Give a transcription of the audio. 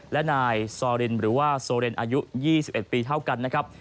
และนายซอรินหรือว่าโซเรนอายุ๒๑ปีเท่ากันนะครับ